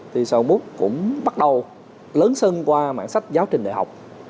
thì saigon books cũng bắt đầu lớn sân qua mảng sách giáo trình đại học